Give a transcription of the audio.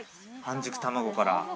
半熟卵から。